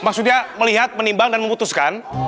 maksudnya melihat menimbang dan memutuskan